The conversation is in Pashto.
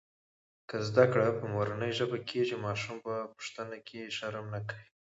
که زده کړه په مورنۍ ژبه کېږي، ماشوم په پوښتنه کې شرم نه کوي.